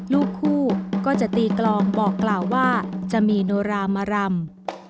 ลูกคู่ก็จะตีกลองบอกกล่าวว่าจะมีโนรามารำ